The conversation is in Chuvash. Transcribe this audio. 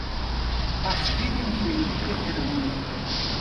Парспикӗн хӗвел питлӗ хӗрӗ пулнӑ.